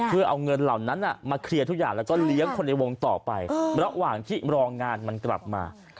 เพื่อเอาเงินเหล่านั้นมาเคลียร์ทุกอย่างแล้วก็เลี้ยงคนในวงต่อไประหว่างที่รองานมันกลับมา